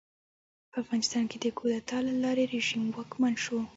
په افغانستان کې د کودتا له لارې رژیم واکمن شو.